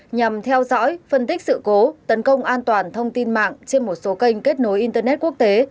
nhằm theo dõi phân tích sự cố tấn công an toàn thông tin mạng trên một số kênh kết nối internet quốc tế